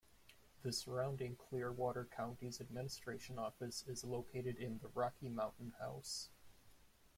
The surrounding Clearwater County's administration office is located in Rocky Mountain House.